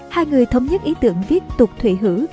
hai người thống nhất ý tưởng viết tục thủy hữu